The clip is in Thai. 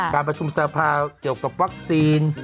การประชุมสภาเกี่ยวกับวัคซีน